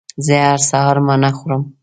زه هر سهار مڼه خورم